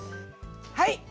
はい。